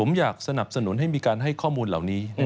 ผมอยากสนับสนุนให้มีการให้ข้อมูลเหล่านี้